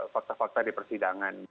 fakta fakta di persidangan